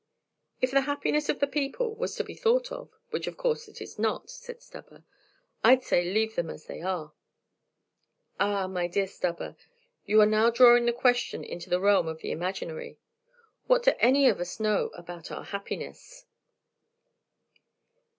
"If the happiness of the people was to be thought of, which of course it is not," said Stubber, "I'd say leave them as they are." "Ah, my dear Stubber, you are now drawing the question into the realm of the imaginary. What do any of us know about our happiness?"